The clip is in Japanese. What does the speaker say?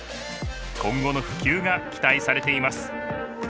今後の普及が期待されています。